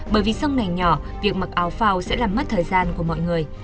bởi vì sau này nhỏ việc mặc áo phao sẽ làm mất thời gian của mọi người